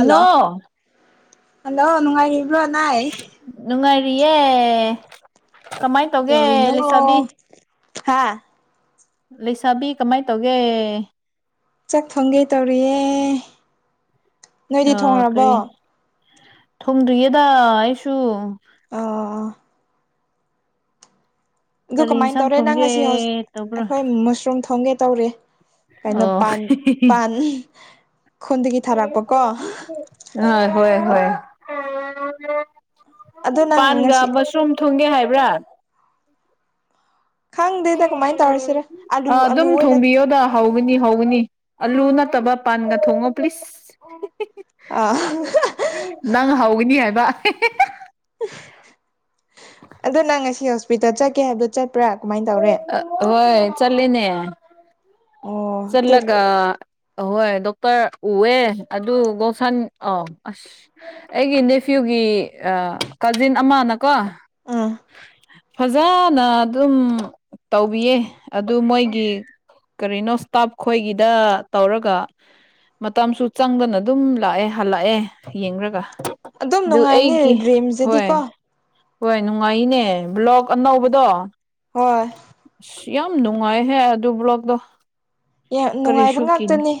ꯏꯅꯣ hello ꯅꯨꯡꯉꯥꯏꯔꯤꯕ꯭ꯔꯣ ꯅꯥꯏ ꯅꯨꯡꯉꯥꯏꯔꯤꯌꯦ ꯀꯃꯥꯏ ꯇꯧꯒꯦ ꯀꯩꯗꯧꯔꯤꯅꯣ ꯂꯩꯁꯥꯕꯤ ꯍꯥꯥ ꯂꯩꯁꯥꯕꯤ ꯀꯃꯥꯏ ꯇꯧꯒꯦ ꯆꯥꯛ ꯊꯣꯡꯒꯦ ꯇꯧꯔꯤꯌꯦ ꯅꯣꯏꯗꯤ ꯑ ꯊꯣꯡꯔꯕꯣ ꯀꯔꯤ ꯊꯣꯡꯗ꯭ꯔꯤꯌꯦꯗ ꯑꯩꯁꯨ ꯑꯣ ꯑꯗꯨ ꯀꯔꯤ ꯏꯟꯁꯥꯡ ꯊꯣꯡꯒꯦ ꯇꯧꯕ꯭ꯔꯥ ꯃ꯭ꯁꯔꯨꯝ ꯊꯣꯡꯒꯦ ꯇꯧꯔꯦ ꯑꯣ ꯈꯨꯟꯗꯒꯤ ꯊꯥꯔꯛꯄꯀꯣ ꯑꯥ ꯍꯣꯏ ꯍꯣꯏ ꯑꯗꯣ ꯅꯪ ꯄꯥꯟꯒꯥ ꯉꯁꯤ ꯃ꯭ꯁꯔꯨꯝ ꯊꯨꯡꯒꯦ ꯍꯥꯏꯕ꯭ꯔꯥ ꯈꯪꯗꯦꯗ ꯀꯃꯥꯏꯅ ꯇꯧꯔꯁꯤꯔ ꯑ ꯑꯂꯨ ꯑꯂꯨ ꯑꯗꯨꯝ ꯑꯣꯏꯅ ꯊꯣꯡꯕꯤꯌꯣꯗ ꯍꯧꯒꯅꯤ ꯍꯧꯒꯅꯤ ꯑꯂꯨ ꯅꯠꯇꯕ ꯄꯥꯟꯒ ꯊꯣꯡꯉꯣ ꯄ꯭ꯂꯤꯖ ꯑꯥ ꯅꯪ ꯍꯧꯒꯅꯤ ꯍꯥꯏꯕ ꯑꯗꯨ ꯅꯪ ꯉꯁꯤ ꯍꯣꯁꯄꯤꯇꯥꯜ ꯆꯠꯀꯦ ꯍꯥꯏꯕꯗꯣ ꯆꯠꯄ꯭ꯔꯥ ꯀꯃꯥꯏ ꯇꯧꯔꯦ ꯑ ꯍꯣꯏ ꯆꯠꯂꯤꯅꯦ ꯑꯣ ꯑꯗꯨ ꯆꯠꯂꯒ ꯑꯍꯣꯏ ꯗꯣꯛꯇ꯭ꯔ ꯎꯋꯦ ꯑꯗꯨ ꯒꯣꯁꯟ ꯑꯥꯎ ꯑꯁ ꯑꯩꯒꯤ ꯅꯦꯐ꯭ꯌꯨꯒꯤ ꯑ ꯀꯖꯤꯟ ꯑꯃꯅ ꯀꯣ ꯎꯝ ꯐꯖꯅ ꯑꯗꯨꯝ ꯇꯧꯕꯤꯌꯦ ꯑꯗꯨ ꯃꯣꯏꯒꯤ ꯀꯔꯤꯅꯣ ꯏꯁꯇꯥꯞ ꯈꯣꯏꯒꯤꯗ ꯇꯧꯔꯒ ꯃꯇꯝꯁꯨ ꯆꯪꯗꯅ ꯑꯗꯨꯝ ꯂꯥꯛꯑꯦ ꯍꯜꯂꯛꯑꯦ ꯌꯦꯡꯔꯒ ꯑꯗꯨꯝ ꯑꯗꯨ ꯑꯩꯒꯤ ꯅꯨꯡꯉꯥꯏꯕꯅꯦ ꯍꯣꯏ ꯗ꯭ꯔꯤꯝꯁꯤꯗꯤꯀꯣ ꯍꯣꯏ ꯅꯨꯡꯉꯥꯏꯅꯦ ꯕ꯭ꯂꯣꯛ ꯑꯅꯧꯕꯗꯣ ꯍꯣꯏ ꯑꯁ ꯌꯥꯝ ꯅꯨꯡꯉꯥꯏꯍꯦ ꯑꯗꯨ ꯕ꯭ꯂꯣꯛꯗꯣ ꯌꯥꯝ ꯅꯨꯡꯉꯥꯏꯕ ꯉꯥꯛꯇꯅꯤ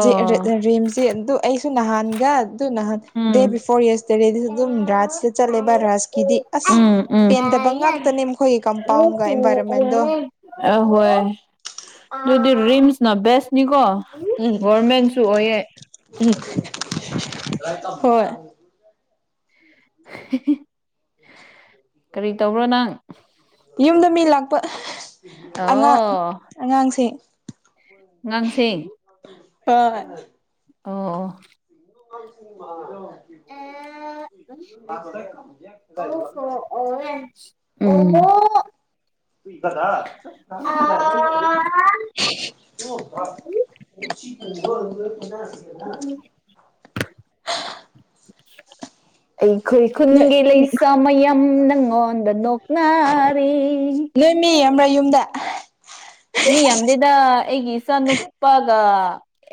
ꯑ ꯔꯦꯝꯖꯦ ꯑꯗꯨ ꯑꯩꯁꯨ ꯅꯍꯥꯟꯒ ꯑꯗꯨ ꯅꯍꯥꯟ ꯎꯝ ꯗꯦ ꯕꯤꯐꯣꯔ ꯌ꯭ꯁ [unintelligible] ꯑꯗꯨꯝ ꯔꯥꯖꯇ ꯆꯠꯂꯦꯕ ꯔꯥꯖꯀꯤꯗꯤ ꯑꯁ ꯎꯝ ꯎꯝ ꯄꯦꯟꯗꯕ ꯉꯥꯛꯇꯅꯦ ꯃꯈꯣꯏꯒꯤ ꯀꯝꯄꯥꯎꯟꯒ ꯑꯦꯟꯚꯥꯏꯔꯣꯟꯃꯦꯟꯗꯣ ꯑꯍꯣꯏ ꯑꯗꯨꯗꯤ ꯔꯤꯝꯁꯅ ꯕꯦꯁꯅꯤꯀꯣ ꯒꯣꯔꯃꯦꯟꯁꯨ ꯑꯣꯏꯌꯦ ꯎꯝ ꯎꯝ ꯍꯣꯏ ꯀꯔꯤ ꯇꯧꯕ꯭ꯔꯣ ꯅꯪ ꯌꯨꯝꯗ ꯃꯤ ꯂꯥꯛꯄ ꯑꯉꯥꯡ ꯑꯣ ꯑꯉꯥꯡꯁꯤꯡ ꯑꯉꯥꯡꯁꯤꯡ ꯍꯣꯏ ꯑꯣ [unintelligible] [unintelligible] ꯎꯝ [unintelligible] [unintelligible] [inaudible] ꯑꯩꯈꯣꯏ ꯅꯣꯏ ꯈꯨꯟꯒꯤ ꯂꯩꯁꯥ ꯃꯌꯥꯝ ꯅꯪꯉꯣꯟꯗ ꯅꯣꯛꯅꯔꯤ ꯅꯣꯏ ꯃꯤ ꯌꯥꯝꯕꯥ꯭ꯔ ꯌꯨꯝꯗ ꯃꯤ ꯌꯥꯝꯗꯦꯗ ꯑꯩꯒꯤ ꯏꯆꯥ ꯅꯨꯄꯥꯒ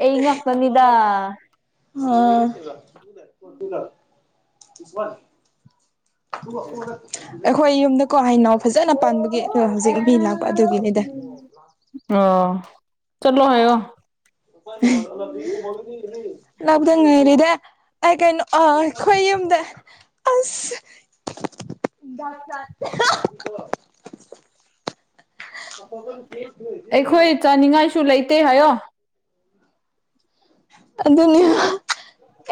ꯑꯩ ꯉꯥꯛꯇꯅꯤꯗ ꯑꯣ [unintelligible] ꯑꯩꯈꯣꯏ ꯌꯨꯝꯗꯀꯣ ꯍꯩꯅꯧ ꯐꯖꯅ ꯄꯥꯟꯕꯒꯤ ꯑꯗ ꯍꯧꯖꯤꯛ ꯃꯤ ꯂꯥꯛꯄ ꯑꯗꯨꯒꯤꯅꯤꯗ ꯑꯣ ꯆꯠꯂꯨ ꯍꯥꯏꯌꯣ ꯂꯥꯛꯗ ꯉꯥꯏꯔꯤꯗ ꯑ ꯀꯩꯅꯣ ꯑ ꯑꯩꯈꯣꯏ ꯌꯨꯝꯗ ꯑꯁ [unintelligible] ꯑꯩꯈꯣꯏ ꯆꯥꯅꯤꯡꯉꯥꯏꯁꯨ ꯂꯩꯇꯦ ꯍꯥꯏꯌꯣ ꯑꯗꯨꯅꯤ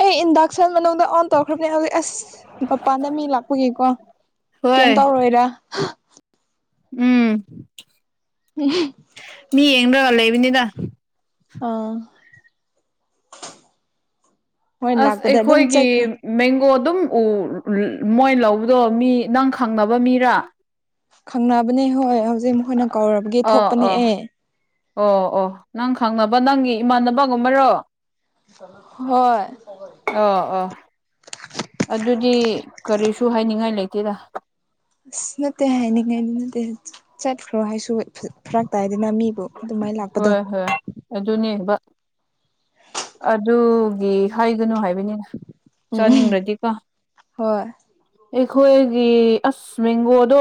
ꯑꯦ ꯏꯟꯗꯛꯁꯟ ꯃꯅꯨꯡꯗ ꯑꯣꯟ ꯇꯧꯈ꯭ꯔꯝꯅꯦ ꯍꯧꯖꯤꯛ ꯑꯁ ꯃꯄꯥꯟꯗ ꯃꯤ ꯂꯥꯛꯄꯒꯤꯀꯣ ꯀꯦꯝ ꯍꯣꯏ ꯇꯧꯔꯣꯏꯗ ꯎꯝ [unintelligible] ꯃꯤ ꯌꯦꯡꯔꯒ ꯂꯩꯕꯅꯤꯗ ꯑꯥ ꯃꯣꯏ ꯑꯁ ꯂꯥꯛꯄꯗ ꯑꯗꯨꯝ ꯑꯩꯈꯣꯏꯒꯤ ꯆꯠꯈ꯭ꯔꯣ ꯃꯦꯡꯒꯣ ꯑꯗꯨꯝ ꯎ ꯃꯣꯏ ꯂꯧꯕꯗꯣ ꯃꯤ ꯅꯪ ꯈꯪꯅꯕ ꯃꯤꯔ ꯈꯪꯅꯕꯅꯦ ꯍꯣꯏ ꯍꯧꯖꯤꯛ ꯃꯈꯣꯏꯅ ꯀꯧꯔꯕꯒ ꯑꯥ ꯊꯣꯛꯄꯅꯦ ꯑꯥ ꯑꯦ ꯑꯣ ꯑꯣ ꯅꯪ ꯈꯪꯅꯕ ꯅꯪꯒꯤ ꯏꯃꯥꯟꯅꯕꯒꯨꯝꯕꯔꯣ ꯍꯣꯏ ꯑꯣ ꯑꯣ ꯑꯗꯨꯗꯤ ꯀꯔꯤꯁꯨ ꯍꯥꯏꯅꯤꯡꯉꯥꯏ ꯂꯩꯇꯦꯗ ꯑꯁ ꯅꯠꯇꯦ ꯍꯥꯏꯅꯤꯡꯉꯥꯏꯗꯤ ꯅꯠꯇꯦ ꯆꯠ ꯆꯠꯈ꯭ꯔꯣ ꯍꯥꯏꯁꯨ ꯐ꯭ꯔ ꯐꯔꯛ ꯇꯥꯏꯗꯅ ꯃꯤ ꯍꯣꯏ ꯍꯣꯏ ꯑꯗꯨꯅꯦꯕ ꯑꯗꯨꯒꯤ ꯍꯥꯏꯒꯅꯨ ꯍꯥꯏꯕꯅꯤꯗ ꯎꯝ ꯆꯥꯅꯤꯡꯔꯗꯤꯀꯣ ꯍꯣꯏ ꯑꯩꯈꯣꯏꯒꯤ ꯑꯁ ꯃꯦꯡꯒꯣꯗꯣ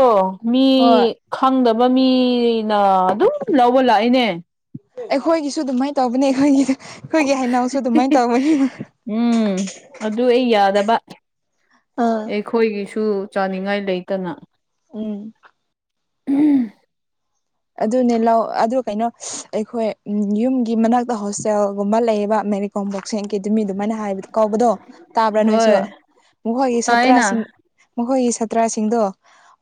ꯃꯤ ꯍꯣꯏ ꯈꯪꯗꯕ ꯃꯤꯅ ꯑꯗꯨꯝ ꯂꯧꯕ ꯂꯥꯛꯏꯅꯦ ꯑꯩꯈꯣꯏꯒꯤꯁꯨ ꯑꯗꯨꯃꯥꯏꯟ ꯇꯧꯕꯅꯤ ꯑꯩꯈꯣꯏꯒꯤ ꯑꯩꯈꯣꯏꯒꯤ ꯍꯩꯅꯧꯁꯨ ꯑꯗꯨꯃꯥꯏꯟ ꯇꯧꯕꯅꯤ ꯎꯝ ꯑꯗꯨ ꯑꯩ ꯌꯥꯗꯕ ꯑꯥ ꯑꯩꯈꯣꯏꯒꯤꯁꯨ ꯆꯥꯅꯤꯡꯉꯥꯏ ꯂꯩꯇꯅ ꯎꯝ ꯎꯝ ꯑꯗꯨꯅꯦ ꯂꯧ ꯑꯗꯨ ꯀꯩꯅꯣ ꯑꯩꯈꯣꯏ ꯌꯨꯝꯒꯤ ꯃꯅꯥꯛꯇ ꯍꯣꯁꯇꯦꯜꯒꯨꯝꯕ ꯂꯩꯌꯦꯕ ꯃꯦꯔꯤ ꯑꯣꯡꯕꯣꯛꯁꯦꯡꯀꯦ ꯑꯗꯨ ꯃꯤ ꯑꯗꯨꯃꯥꯏꯅ ꯍꯥꯏꯕ ꯀꯥꯎꯕꯗꯣ ꯇꯥꯕ꯭ꯔꯥ ꯅꯣꯏꯁꯨ ꯍꯣꯏ ꯃꯈꯣꯏꯒꯤ ꯇꯥꯏꯅ ꯁꯥꯠꯇ꯭ꯔꯥꯁꯤꯡ ꯃꯈꯣꯏꯒꯤ ꯁꯥꯠꯇ꯭ꯔꯥꯁꯤꯡꯗꯣ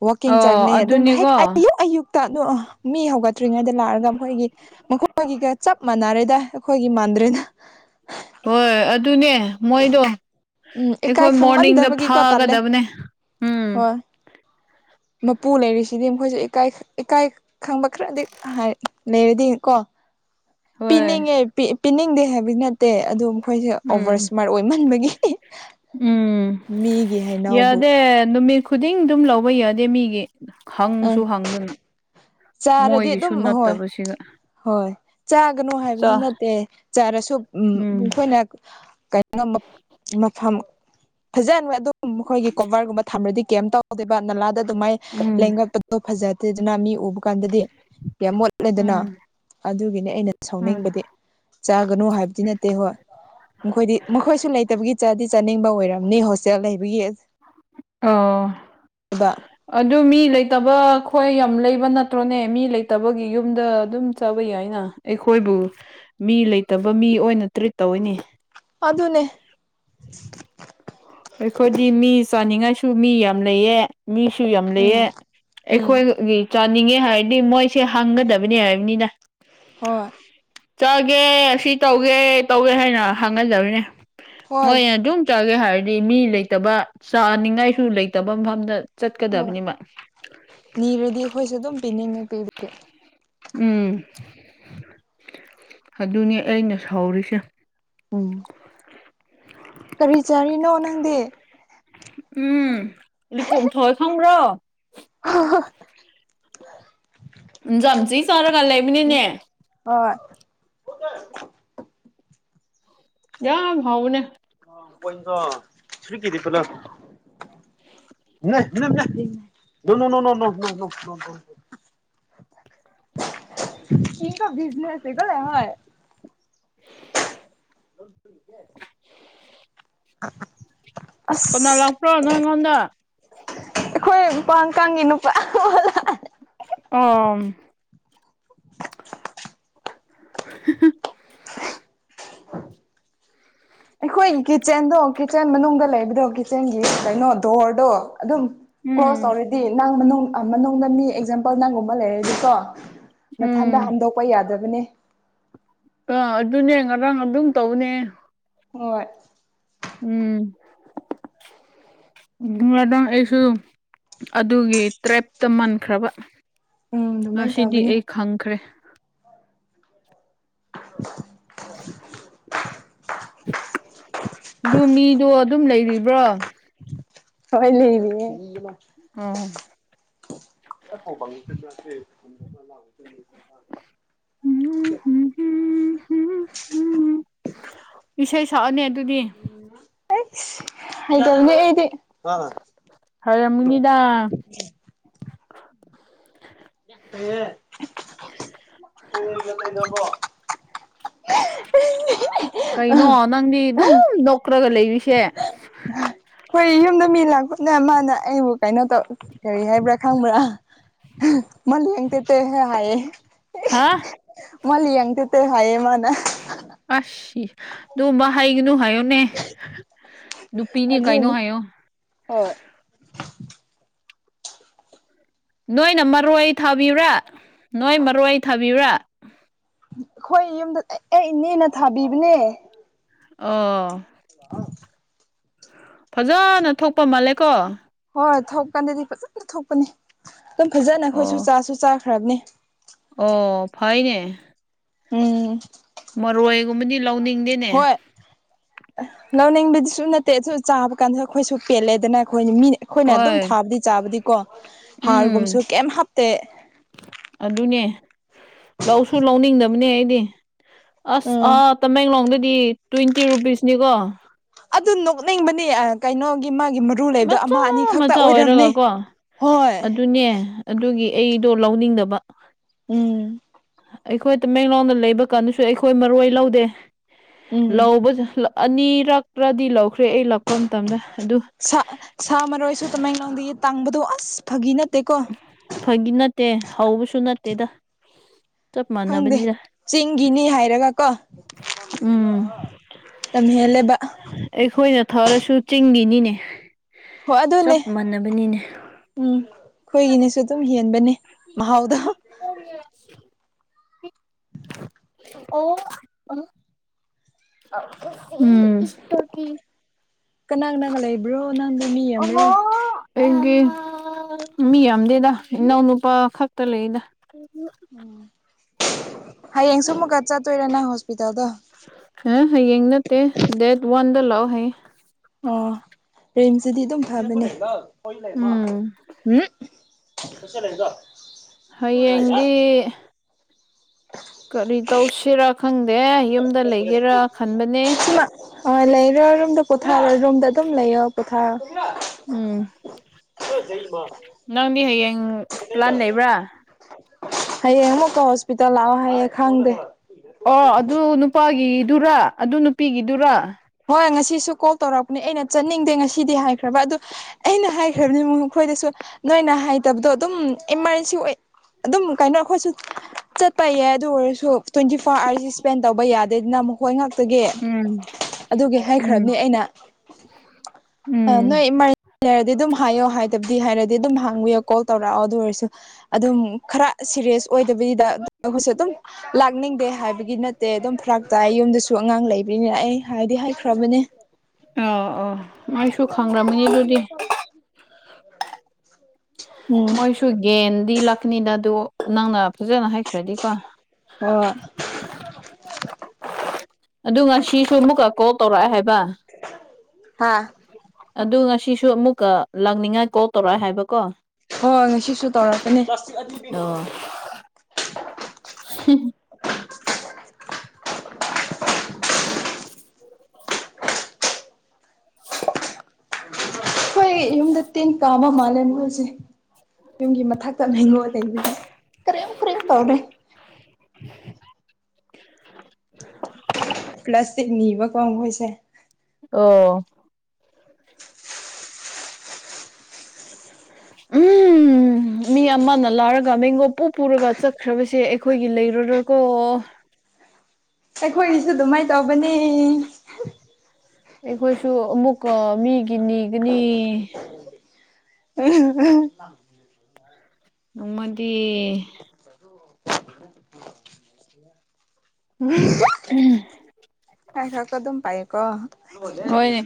ꯋꯥꯡꯀꯤꯡ ꯑꯣ ꯆꯛꯅꯩ ꯑꯗꯨꯝ ꯍꯦꯛ ꯑꯗꯨꯅꯦꯀꯣ ꯑꯌꯨ ꯑꯌꯨꯛ ꯇ ꯑꯗꯨ ꯃꯤ ꯍꯧꯒꯠꯇ꯭ꯔꯤꯉꯩꯗ ꯂꯥꯛꯔꯒ ꯃꯈꯣꯏꯒꯤ ꯃꯈꯣꯏ ꯃꯣꯏꯒꯤꯒ ꯆꯞ ꯃꯥꯟꯅꯔꯦꯗ ꯑꯩꯈꯣꯏꯒꯤ ꯃꯥꯟꯗ꯭ꯔꯦꯗ ꯍꯣꯏ ꯑꯗꯨꯅꯦ ꯃꯣꯏꯗꯣ ꯎꯝ ꯑꯩꯈꯣꯏ ꯏꯀꯥꯏ ꯃꯣꯔꯅꯤꯡꯗ ꯈꯪꯃꯟꯗꯕꯒꯤꯀꯣ ꯇꯜꯂꯦ ꯐꯥꯒꯗꯕꯅꯦ ꯎꯝ ꯍꯣꯏ ꯃꯄꯨ ꯂꯩꯔꯤꯁꯤꯗꯤ ꯃꯈꯣꯏꯁꯨ ꯏꯀꯥꯏ ꯏꯀꯥꯏ ꯈꯪꯕ ꯈ꯭ꯔꯗꯤ ꯍꯥꯏ ꯂꯩꯔꯗꯤ ꯀꯣ ꯍꯣꯏ ꯄꯤꯅꯤꯡꯉꯦ ꯄꯤ ꯄꯤꯅꯤꯡꯗꯦ ꯍꯥꯏꯕꯗꯤ ꯅꯠꯇꯦ ꯑꯗꯨ ꯃꯈꯣꯏꯁꯦ ꯑꯣꯚꯔ ꯎꯝ ꯁꯃꯥꯔꯠ ꯑꯣꯏꯃꯟꯕꯒꯤ [unintelligible] ꯎꯝ ꯃꯤꯒꯤ ꯍꯩꯅꯧꯕꯨ ꯌꯥꯗꯦ ꯅꯨꯃꯤꯠ ꯈꯨꯗꯤꯡ ꯗꯨꯝ ꯂꯧꯕ ꯌꯥꯗꯦ ꯃꯤꯒꯤ ꯍꯪꯁꯨ ꯑꯪ ꯍꯪꯗꯅ ꯆꯥꯔꯗꯤ ꯃꯣꯏꯒꯤꯁꯨ ꯑꯗꯨꯝ ꯍꯣꯏ ꯅꯠꯇꯕꯁꯤꯒ ꯍꯣꯏ ꯆꯥꯒꯅꯨ ꯆ ꯍꯥꯏꯕꯁꯨ ꯅꯠꯇꯦ ꯆꯥꯔꯁꯨ ꯎꯝ ꯄꯨꯡꯈꯣꯏꯅꯛ ꯀꯩꯅꯣ ꯃꯞ ꯃꯐꯝ ꯐꯖꯅꯕ ꯑꯗꯨꯝ ꯃꯈꯣꯏꯒꯤ ꯀꯣꯚꯔꯒꯨꯝꯕ ꯊꯝꯔꯗꯤ ꯀꯦꯝ ꯇꯧꯗꯦꯕ ꯅꯂꯥꯗ ꯑꯗꯨꯃꯥꯏ ꯎꯝ ꯂꯦꯡꯉꯛꯄꯗꯣ ꯐꯖꯗꯦꯗꯅ ꯃꯤ ꯎꯕ ꯀꯥꯟꯗꯗꯤ ꯌꯥꯝ ꯃꯣꯠꯂꯦꯗꯅ ꯎꯝ ꯑꯗꯨꯒꯤꯅꯦ ꯑꯩꯅ ꯎꯝ ꯁꯥꯎꯅꯤꯡꯕꯗꯤ ꯆꯥꯒꯅꯨ ꯍꯥꯏꯕꯗꯤ ꯅꯠꯇꯦ ꯍꯣꯏ ꯃꯈꯣꯏꯗꯤ ꯃꯈꯣꯏꯁꯨ ꯂꯩꯇꯕꯒꯤ ꯆꯥꯗꯤ ꯆꯥꯅꯤꯡꯕ ꯑꯣꯏꯔꯝꯅꯤ ꯍꯣꯁꯇꯦꯜ ꯂꯩꯕꯒꯤ ꯑꯧ ꯑꯗꯨꯒ ꯑꯗꯨ ꯃꯤ ꯂꯩꯇꯕꯥ ꯈꯣꯏ ꯌꯥꯝ ꯂꯩꯕ ꯅꯠꯇ꯭ꯔꯣꯅꯦ ꯃꯤ ꯂꯩꯇꯕꯒꯤ ꯌꯨꯝꯗ ꯑꯗꯨꯝ ꯆꯥꯕ ꯌꯥꯏꯅ ꯑꯩꯈꯣꯏꯕꯨ ꯃꯤ ꯂꯩꯇꯕ ꯃꯤ ꯑꯣꯏꯅ ꯇ꯭ꯔꯤꯠ ꯇꯧꯋꯦꯅꯦ ꯑꯗꯨꯅꯦ ꯑꯩꯈꯣꯏꯗꯤ ꯃꯤ ꯆꯥꯅꯤꯡꯉꯥꯏꯁꯨ ꯃꯤ ꯌꯥꯝ ꯂꯩꯌꯦ ꯃꯤꯁꯨ ꯌꯥꯝ ꯂꯩꯌꯦ ꯎꯝ ꯑꯩꯈꯣꯏ ꯎꯝ ꯒꯤ ꯆꯥꯅꯤꯡꯉꯦ ꯍꯥꯏꯔꯗꯤ ꯃꯣꯏꯁꯦ ꯍꯪꯒꯗꯕꯅꯦ ꯍꯥꯏꯕꯅꯤꯅ ꯍꯣꯏ ꯆꯥꯒꯦ ꯁꯤ ꯇꯧꯒꯦ ꯇꯧꯒꯦ ꯍꯥꯏꯅ ꯍꯪꯒꯗꯕꯅꯦ ꯍꯣꯏ ꯃꯣꯏꯅ ꯑꯗꯨꯝ ꯆꯥꯒꯦ ꯍꯥꯏꯔꯗꯤ ꯃꯤ ꯂꯩꯇꯕ ꯆꯥꯅꯤꯡꯉꯥꯏꯁꯨ ꯂꯩꯇꯕ ꯃꯐꯝꯗ ꯍꯣꯏ ꯆꯠꯀꯗꯕꯅꯦꯕ ꯅꯤꯔꯗꯤ ꯑꯩꯈꯣꯏꯁꯨ ꯑꯗꯨꯝ ꯄꯤꯅꯤꯡꯉꯦ ꯄꯤꯕꯗꯤ ꯎꯝ ꯑꯗꯨꯅꯦ ꯑꯩꯅ ꯁꯥꯎꯔꯤꯁꯦ꯫ ꯎꯝ ꯀꯔꯤ ꯆꯥꯔꯤꯅꯣ ꯅꯪꯗꯤ? ꯎꯝ ꯂꯤꯀꯨꯝꯊꯥꯏ ꯈꯪꯕ꯭ꯔꯣ? [unintelligible] ꯎꯝ ꯖꯝꯆꯤ ꯆꯥꯔꯒꯥ ꯂꯩꯕꯅꯤꯅꯦ ꯍꯣꯏ ꯌꯥꯝ ꯍꯥꯎꯕꯅꯦ ꯑꯥ ꯄꯣꯟꯏꯖꯣ ꯊ꯭ꯔꯤꯀꯤꯗꯤ ꯀꯨꯂꯥ ꯅꯦ [unintelligible] ꯅꯣ ꯅꯣ ꯅꯣ ꯅꯣ ꯅꯣ ꯅꯣ ꯅꯣ ꯅꯣ ꯅꯣ [unintelligible] [inaudible] ꯑꯁ ꯀꯅꯥ ꯂꯥꯛꯄ꯭ꯔꯣ ꯅꯪꯉꯣꯟꯗꯥ? ꯑꯩꯈꯣꯏ ꯃꯄꯟ ꯀꯥꯡꯒꯤ ꯅꯨꯄꯥ [unintelligible] ꯑꯣꯝ [unintelligible] [unintelligible] ꯑꯩꯈꯣꯏꯒꯤ ꯀꯤꯆꯦꯟꯗꯣ ꯀꯤꯆꯦꯟ ꯃꯅꯨꯡꯗ ꯂꯩꯕꯗꯣ ꯀꯤ ꯀꯤꯆꯦꯟꯒꯤ ꯀꯩꯅꯣ ꯗꯣꯔꯗꯣ ꯑꯗꯨꯝ ꯀ꯭ꯂꯣꯁ ꯎꯝ ꯇꯧꯔꯗꯤ ꯅꯪ ꯃꯅꯨꯡ ꯑꯥ ꯃꯅꯨꯡꯗ ꯃꯤ ꯑꯦꯛꯖꯥꯝꯄꯜ ꯅꯪꯒꯨꯝꯕ ꯂꯩꯔꯗꯤꯀꯣ ꯃꯊꯟꯗ ꯎꯝ ꯍꯟꯗꯣꯛꯄ ꯌꯥꯗꯕꯅꯦ ꯑꯥ ꯑꯗꯨꯅꯦ ꯉꯔꯥꯡ ꯑꯗꯨꯝ ꯇꯧꯅꯦ ꯍꯣꯏ ꯉꯔꯥꯡ ꯑꯩꯁꯨ ꯑꯗꯨꯒꯤ ꯇ꯭ꯔꯦꯞꯇ ꯃꯟꯈ꯭ꯔꯕ ꯎꯝ ꯑꯗꯨꯃꯥꯏꯅ ꯉꯁꯤꯗꯤ ꯇꯧꯕꯅꯦ ꯑꯩ ꯈꯪꯈ꯭ꯔꯦ [unintelligible] ꯑꯗꯨ ꯃꯤꯗꯣ ꯑꯗꯨꯝ ꯂꯩꯔꯤꯕ꯭ꯔꯣ ꯍꯣꯢ ꯂꯩꯔꯤꯌꯦ ꯑꯣ [unintelligible] [unintelligible] ꯏꯁꯩ ꯁꯛꯑꯣꯅꯦ ꯑꯗꯨꯗꯤ ꯑꯩꯁ ꯍꯩꯗꯕꯅꯦ ꯑꯩꯗꯤ ꯍꯩꯔꯝꯒꯅꯤꯗꯥ [unintelligible] ꯀꯩꯅꯣ ꯅꯪꯗꯤ ꯑꯗꯨꯝ ꯅꯣꯛꯈ꯭ꯔꯒ ꯂꯩꯔꯤꯁꯦ ꯑꯩꯈꯣꯏ ꯌꯨꯝꯗ ꯃꯤ ꯂꯥꯛꯄꯥꯅ ꯃꯥꯅ ꯑꯩꯕꯨ ꯀꯩꯅꯣ ꯇꯧ ꯀꯔꯤ ꯍꯥꯏꯕ꯭ꯔꯥ ꯈꯪꯕ꯭ꯔꯥ [unintelligible] ꯍꯥꯥ [unintelligible] ꯍꯥꯢꯌꯦ ꯃꯥꯅ ꯑ ꯑꯗꯨꯝꯕ ꯍꯩꯒꯅꯨ ꯍꯥꯏꯌꯣꯅꯦ ꯅꯨꯄꯤꯅꯤ ꯀꯥꯏꯩꯅꯣ ꯑꯗꯨꯅꯤ ꯍꯥꯏꯌꯣ ꯍꯣꯏ ꯅꯣꯏꯅ ꯃꯔꯣꯏ ꯊꯥꯕꯤꯕꯔꯥ ꯅꯣꯏ ꯃꯔꯣꯏ ꯊꯥꯕꯤꯕꯔꯥ ꯑꯩꯈꯣꯏ ꯌꯨꯝꯗ ꯑꯩ ꯏꯅꯦꯅ ꯊꯥꯕꯤꯕꯅꯦ ꯑꯣ [unintelligible] ꯐꯖꯅ ꯊꯣꯛꯄ ꯃꯥꯜꯂꯦꯀꯣ ꯍꯣꯏ ꯍꯣꯏ ꯊꯣꯛꯀꯥꯟꯗꯗꯤ ꯐꯖꯅ ꯊꯣꯛꯄꯅꯤ ꯑꯗꯨꯝ ꯐꯖꯅ ꯑꯩꯈꯣꯏꯁꯨ ꯑꯣ ꯆꯥꯁꯨ ꯆꯥꯈ꯭ꯔꯕꯅꯤ ꯑꯣ ꯐꯥꯏꯅꯦ ꯎꯝ ꯃꯔꯣꯏꯒꯨꯝꯕꯗꯤ ꯂꯧꯅꯤꯡꯗꯦꯅꯦ ꯍꯣꯏ ꯂꯧꯅꯤꯡꯕꯗꯤꯁꯨ ꯅꯠꯇꯦ ꯑꯗꯨ ꯆꯥꯕ ꯀꯥꯟꯗ ꯑꯩꯈꯣꯏꯁꯨ ꯄꯦꯜꯂꯦꯗꯅ ꯑꯩꯈꯣꯏ ꯃꯤ ꯑꯩꯈꯣꯏꯅ ꯑꯗꯨꯝ ꯍꯣꯏ ꯊꯥꯕꯗꯤ ꯆꯥꯕꯗꯤꯀꯣ ꯍꯥꯔꯒꯨꯝꯕꯁꯨ ꯎꯝ ꯀꯩꯝ ꯍꯥꯞꯇꯦ ꯑꯗꯨꯅꯦ ꯂꯧꯁꯨ ꯂꯧꯅꯤꯡꯗꯕꯅꯦ ꯑꯩꯗꯤ ꯑꯁ ꯎꯝ ꯑꯥ ꯇꯃꯦꯡꯂꯣꯡꯗꯗꯤ ꯇ꯭ꯋꯦꯟꯇꯤ ꯔꯨꯄꯤꯁꯅꯤꯀꯣ ꯑꯗꯨ ꯅꯣꯛꯅꯤꯡꯕꯅꯤ ꯀꯩꯅꯣꯒꯤ ꯃꯥꯒꯤ ꯑꯨ ꯂꯩꯕꯗꯣ ꯃꯆꯥ ꯑꯃ ꯑꯅꯤ ꯈꯛꯇ ꯃꯆꯥ ꯑꯣꯏꯔꯝꯅꯤ ꯑꯣꯏꯔꯒꯀꯣ ꯍꯣꯏ [unintelligible] ꯑꯗꯨꯒꯤ ꯑꯩꯗꯣ ꯂꯧꯅꯤꯡꯗꯕ ꯎꯝ ꯑꯩꯈꯣꯏ ꯇꯃꯦꯡꯂꯧꯅ ꯂꯩꯕ ꯀꯥꯟꯗꯁꯨ ꯑꯩꯈꯣꯏ ꯃꯔꯣꯏ ꯂꯧꯗꯦ ꯎꯝ ꯂꯧꯕꯁꯨ ꯑꯅꯤꯔꯛꯂꯥꯗꯤ ꯂꯧꯈ꯭ꯔꯦ ꯑꯩ ꯂꯛꯄ ꯃꯇꯝꯗ ꯑꯗꯨ ꯁꯥ ꯁꯥ ꯃꯔꯣꯏꯁꯨ ꯇꯃꯦꯡꯂꯣꯡꯗꯒꯤ ꯇꯥꯡꯕꯗꯣ ꯑꯁ ꯐꯥꯒꯤ ꯅꯠꯇꯦꯀꯣ ꯐꯥꯒꯤ ꯅꯠꯇꯦ ꯍꯧꯕꯁꯨ ꯅꯠꯇꯦꯗ ꯆꯞ ꯈꯪꯗꯦ ꯃꯥꯟꯅꯕꯅꯤꯗ ꯆꯤꯡꯒꯤꯅꯤ ꯍꯥꯏꯔꯒ ꯀꯣ ꯎꯝ ꯌꯥꯝ ꯍꯦꯜꯂꯦꯕ ꯑꯩꯈꯣꯏꯅ ꯊꯥꯔꯁꯨ ꯆꯤꯡꯒꯤꯅꯤꯅꯦ ꯍꯣꯏ ꯑꯗꯨꯅꯦ ꯆꯞ ꯃꯥꯟꯅꯕꯅꯤꯅꯦ ꯎꯝ ꯈꯣꯏꯒꯤꯅꯦꯁꯨ ꯑꯗꯨꯝ ꯍꯦꯟꯕꯅꯦ ꯃꯍꯥꯎꯗꯣ [unintelligible] ꯑꯣ ꯑꯥ [unintelligible] ꯎꯝ ꯏꯁꯇꯣꯔꯤ ꯀꯅꯥ ꯀꯅꯥꯒ ꯂꯩꯕ꯭ꯔꯣ ꯅꯪꯗꯤ ꯃꯤ ꯌꯝꯕ꯭ꯔꯣ? ꯑꯩꯒꯤ ꯃꯤ ꯌꯥꯝꯗꯦꯗ ꯏꯅꯥꯎ ꯅꯨꯄꯥ ꯈꯛꯇ ꯂꯩꯌꯦꯗ꯫ ꯑꯗꯨ ꯎꯝ ꯍꯌꯦꯡ ꯁꯨ ꯑꯃꯨꯛꯀ ꯆꯠꯇꯣꯏꯔ ꯅꯪ ꯍꯣꯁꯄꯤꯇꯥꯜꯗꯣ? ꯍꯦ ꯍꯌꯦꯡ ꯅꯠꯇꯦ ꯗꯦꯠ ꯋꯥꯟꯗ ꯂꯥꯛꯑꯣ ꯍꯥꯏꯌꯦ ꯑꯣ ꯔꯤꯝꯁꯇꯗꯤ ꯑꯗꯨꯝ ꯐꯕꯅꯦ [unintelligible] ꯀꯣꯏ ꯂꯩꯃꯥ ꯎꯝ ꯎꯝ [unintelligible] ꯂꯩꯕꯔ ꯍꯥꯌꯦꯡꯗꯤ [unintelligible] ꯀꯔꯤ ꯇꯧꯁꯦꯔꯥ ꯈꯪꯗꯦ ꯌꯨꯝꯗ ꯂꯩꯒꯦꯔꯥ ꯈꯟꯕꯅꯦ ꯑꯣ ꯂꯩꯔꯣ ꯔꯨꯝꯗ ꯄꯣꯊꯥꯔꯣ ꯔꯨꯝꯗ ꯑꯗꯨꯝ ꯂꯩꯌꯣ ꯄꯣꯊꯥꯔꯣ [unintelligible] ꯎꯝ ꯅꯪꯗꯤ ꯍꯥꯌꯦꯡ [unintelligible] ꯍꯌꯦꯡ ꯑꯃꯨꯛꯀꯥ ꯍꯣꯁꯄꯤꯇꯥꯜ ꯂꯥꯛꯑꯣ ꯍꯥꯏꯌꯦ ꯈꯪꯗꯦ ꯑꯣ ꯑꯗꯨ ꯅꯨꯄꯥꯒꯤꯗꯨꯔꯥ ꯑꯗꯨ ꯅꯨꯄꯤꯒꯤꯗꯨꯔꯥ? ꯍꯣꯏ ꯉꯁꯤꯁꯨ ꯀꯣꯜ ꯇꯧꯔꯛꯄꯅꯦ ꯑꯩꯅ ꯆꯠꯅꯤꯡꯗꯦ ꯉꯁꯤꯗꯤ ꯍꯥꯏꯈ꯭ꯔꯕ ꯑꯗꯨ ꯑꯩꯅ ꯍꯥꯏꯈ꯭ꯔꯕꯅꯦ ꯃꯈꯣꯏꯗꯁꯨ ꯅꯣꯏꯅ ꯍꯥꯏꯇꯕꯗꯣ ꯑꯗꯨꯝ ꯑꯦꯃꯥꯔꯖꯦꯟꯁꯤ ꯑꯣꯏ ꯑꯗꯨꯝ ꯀꯩꯅꯣ ꯑꯩꯈꯣꯏꯁꯨ ꯆꯠꯄ ꯌꯥꯏ ꯑꯗꯨ ꯑꯣꯏꯔꯁꯨ ꯇ꯭ꯋꯦꯟꯇꯤ ꯐꯣꯔ ꯑꯥꯔꯖꯤ ꯁ꯭ꯄꯦꯟ ꯇꯧꯕ ꯌꯥꯗꯦꯗꯅ ꯃꯈꯣꯏ ꯉꯥꯛ ꯎꯝ ꯑꯗꯨꯒꯤ ꯎꯝ ꯍꯥꯏꯈ꯭ꯔꯕꯅꯦ ꯑꯩꯅ ꯎꯝ ꯑꯥ ꯅꯣꯏ ꯏꯃꯥꯔ ꯂꯩꯔꯗꯤ ꯑꯗꯨꯝ ꯍꯥꯏꯌꯣ ꯍꯥꯏꯗꯕꯗꯤ ꯍꯥꯏꯔꯗꯤ ꯑꯗꯨꯝ ꯍꯥꯡꯕꯤꯌꯣ ꯀꯣꯜ ꯇꯧꯔꯛꯑꯣ ꯑꯗꯨ ꯑꯣꯏꯔꯁꯨ ꯑꯗꯨꯝ ꯈꯔꯥ ꯁꯤꯔꯤꯌꯦꯁ ꯑꯣꯏꯗꯕꯤꯗ ꯑꯈꯣꯏꯁꯨ ꯑꯗꯨꯝ ꯂꯥꯛꯅꯤꯡꯗꯦ ꯍꯥꯏꯕꯒꯤ ꯅꯠꯇꯦ ꯑꯗꯨꯝ ꯐ꯭ꯔꯥꯛ ꯇꯥꯏ ꯌꯨꯝꯗꯁꯨ ꯁꯨ ꯑꯉꯥꯡ ꯂꯩꯕꯅꯤꯅ ꯑꯩ ꯍꯥꯏꯗꯤ ꯍꯥꯏꯈ꯭ꯔꯕꯅꯦ꯫ ꯑꯧ ꯑꯣ ꯃꯥꯏꯁꯨ ꯈꯪꯔꯝꯒꯅꯤ ꯑꯗꯨꯗꯤ ꯎꯝ ꯃꯣꯏꯁꯨ ꯒꯦꯟꯗꯤ ꯂꯥꯛꯀꯅꯤꯗ ꯑꯗꯨꯑꯣ ꯅꯪꯅ ꯐꯖꯅ ꯍꯥꯏꯈ꯭ꯔꯗꯤꯀꯣ ꯍꯣꯏ [unintelligible] ꯑꯗꯨ ꯉꯁꯤꯁꯨ ꯑꯃꯨꯛꯀꯥ ꯀꯣꯜ ꯇꯧꯔꯛꯑꯦ ꯍꯥꯏꯕ? ꯍꯥꯥ ꯑꯗꯨ ꯉꯁꯤꯁꯨ ꯑꯃꯨꯛꯀꯥ ꯂꯥꯛꯅꯤꯡꯉꯥꯏ ꯀꯣꯜ ꯇꯧꯔꯛꯑꯦ ꯍꯥꯏꯕꯀꯣ? ꯍꯣꯏ ꯉꯁꯤꯁꯨ ꯇꯧꯔꯛꯀꯅꯤ ꯄ꯭ꯂꯥꯁꯇꯤꯛ ꯑꯅꯤꯕꯤ ꯑꯣ [unintelligible] [inaudible] ꯑꯩ ꯌꯨꯝꯗ ꯇꯤꯅ ꯀꯥꯕ ꯃꯜꯂꯦ ꯃꯣꯏꯁꯦ ꯌꯨꯝꯒꯤ ꯃꯊꯛꯇ ꯂꯩꯉꯣꯜ ꯂꯩꯩꯕꯒꯤ ꯀꯥꯔꯦꯎ ꯀꯥꯔꯦꯎ ꯇꯧꯔꯦ [unintelligible] ꯄ꯭ꯂꯥꯁꯇꯤꯛ ꯅꯤꯕꯀꯣ ꯃꯣꯏꯁꯦ ꯑꯣ [unintelligible] ꯎꯝ ꯃꯤ ꯑꯃꯅ ꯂꯥꯔꯒ ꯃꯦꯡꯒꯣꯞ ꯄꯨ ꯄꯨꯔꯒ ꯆꯠꯈ꯭ꯔꯕꯁꯦ ꯑꯩꯈꯣꯏꯒꯤ ꯂꯩꯔꯔꯣꯏ ꯀꯣ ꯑꯩꯈꯣꯏꯒꯤꯁꯨ ꯑꯗꯨꯃꯥꯏꯅ ꯇꯧꯕꯅꯦ ꯑꯩꯈꯣꯏꯁꯨ ꯑꯃꯨꯛꯀ ꯃꯤꯒꯤ ꯅꯤꯒꯅꯤ [unintelligible] ꯅꯣꯡꯃꯗꯤ [unintelligible] [unintelligible] ꯎꯝ ꯉꯥꯢꯈꯣꯀꯣ ꯑꯗꯨꯝ ꯄꯥꯏꯌꯣꯀꯣ ꯍꯣꯏꯅꯦ